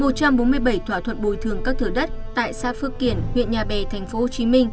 một trăm bốn mươi bảy thỏa thuận bồi thường các thửa đất tại xã phước kiển huyện nhà bè tp hcm